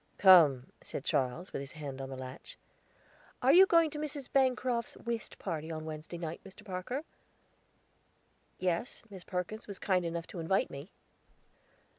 "Come," said Charles, with his hand on the latch. "Are you going to Mrs. Bancroft's whist party on Wednesday night, Mr. Parker?" "Yes; Miss Perkins was kind enough to invite me."